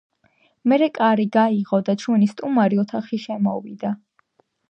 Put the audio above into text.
მერე კარი გაიღო და ჩვენი სტუმარი ოთახში შემოვიდა